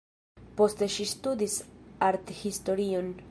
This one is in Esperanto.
Poste ŝi studis arthistorion.